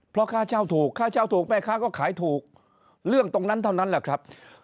เพราะค่าเช่าถูกค่าเช่าถูกแม่ค้าก็ขายถูกเรื่องตรงนั้นเท่านั้นแหละครับ